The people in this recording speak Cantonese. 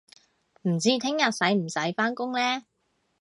唔知聽日使唔使返工呢